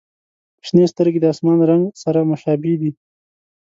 • شنې سترګې د آسمان رنګ سره مشابه دي.